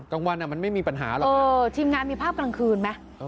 กลางวันมันไม่มีปัญหาหรอกเออทีมงานมีภาพกลางคืนไหม